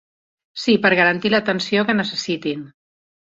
Sí, per garantir l’atenció que necessitin.